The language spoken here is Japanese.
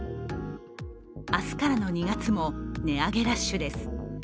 明日からの２月も値上げラッシュです。